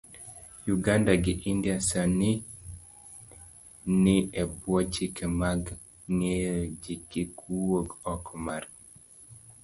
Uganda gi India sani ni ebwo chike mag geng'o jikik wuog oko margi,